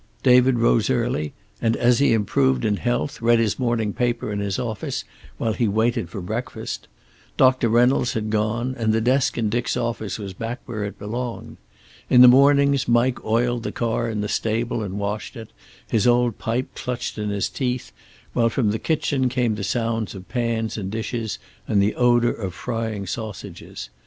David rose early, and as he improved in health, read his morning paper in his office while he waited for breakfast. Doctor Reynolds had gone, and the desk in Dick's office was back where it belonged. In the mornings Mike oiled the car in the stable and washed it, his old pipe clutched in his teeth, while from the kitchen came the sounds of pans and dishes, and the odor of frying sausages.